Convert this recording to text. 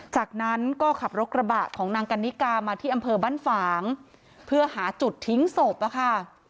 จากนั้นก็ขับรถกระบะของนางกันนิกามาที่อำเภอบ้านฝางเพื่อหาจุดทิ้งศพอะค่ะ